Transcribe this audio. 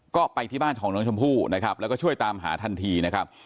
ก็ไปที่บ้านของน้องชมพู่นะครับแล้วก็ช่วยตามหาทันทีนะครับ